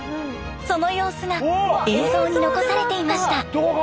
その様子が映像に残されていました。